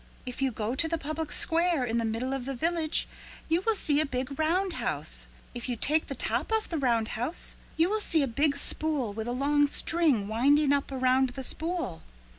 "If you go to the public square in the middle of the village you will see a big roundhouse. If you take the top off the roundhouse you will see a big spool with a long string winding up around the spool.